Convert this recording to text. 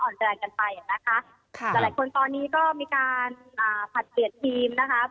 อ่อนแรงกันไปนะคะแต่หลายคนตอนนี้ก็มีการผลัดเปลี่ยนทีมนะคะ